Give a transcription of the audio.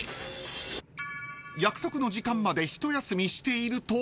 ［約束の時間まで一休みしていると］